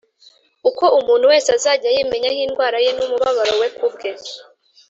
uko umuntu wese azajya yimenyaho indwara ye n’umubabaro we ku bwe